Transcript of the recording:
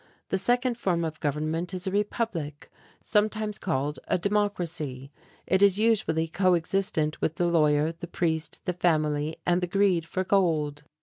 The second form of government is a republic, sometimes called a democracy. It is usually co existent with the lawyer, the priest, the family and the greed for gold.